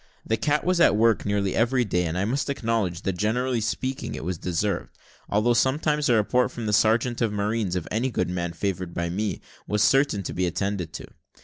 The cat was at work nearly every day, and I must acknowledge that, generally speaking, it was deserved; although sometimes a report from the sergeant of marines of any good man favoured by me, was certain to be attended to.